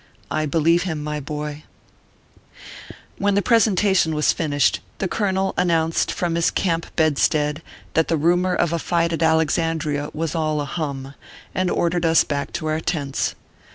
I believe him, my boy ! When the presentation was finished, the colonel announced from his camp bedstead that the rumor of a fight at Alexandria was all a hum, and ordered us back to our tents.